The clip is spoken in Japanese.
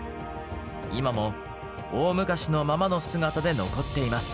今も大昔のままの姿で残っています。